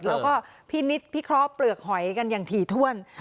แล้วก็พินิษฐ์พิเคราะห์เปลือกหอยกันอย่างถี่ถ้วน